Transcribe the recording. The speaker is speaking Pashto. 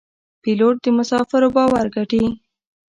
پیلوټ د مسافرو باور ګټي.